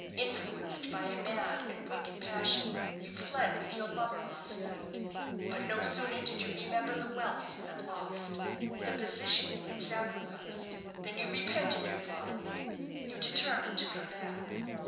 Influenced by a mad and wicked passion, you fled with your lover last night; but no sooner did you remember the wealth you had lost, the position you had sacrificed, than you repented your folly. You determined to come back.